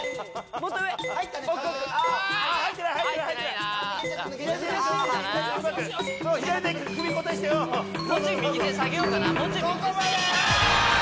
もうちょい右手下げようかな。